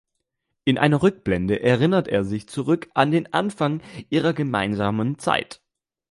In einer Rückblende erinnert er sich zurück an den Anfang ihrer gemeinsamen Zeit.